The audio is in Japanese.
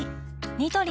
ニトリ